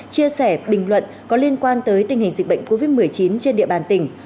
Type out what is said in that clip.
chia sẻ bình luận có liên quan tới tình hình dịch bệnh covid một mươi chín trên địa bàn tỉnh